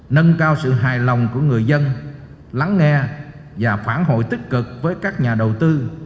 nâng cao sự hài lòng của người dân lắng nghe và phản hồi tích cực với các nhà đầu tư